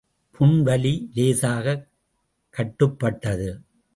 புண் வலி லேசாகக் கட்டுப்பட்டது.